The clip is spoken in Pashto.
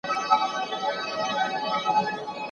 هغه د خپلو ملي او کلتوري ارزښتونو یوه ژوندۍ نښه وه.